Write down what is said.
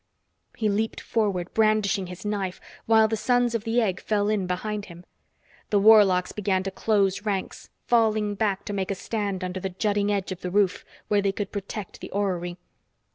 He leaped forward, brandishing his knife, while the Sons of the Egg fell in behind him. The warlocks began to close ranks, falling back to make a stand under the jutting edge of the roof, where they could protect the orrery.